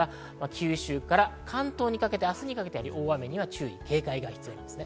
九州から関東は明日にかけて大雨に注意・警戒が必要です。